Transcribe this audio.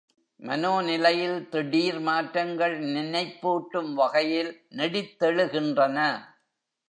மனோ நிலையில் திடீர் மாற்றங்கள், நினைப்பூட்டும் வகையில் நெடித்தெழுகின்றன.